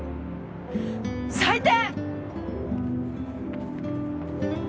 最低！